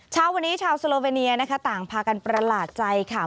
เช้าวันนี้ชาวโซโลเวเนียนะคะต่างพากันประหลาดใจค่ะ